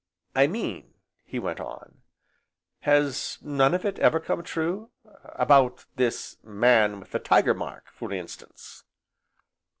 "I mean," he went on, "has none of it ever come true, about this Man with the Tiger Mark, for instance?"